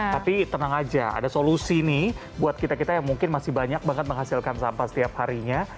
tapi tenang aja ada solusi nih buat kita kita yang mungkin masih banyak banget menghasilkan sampah setiap harinya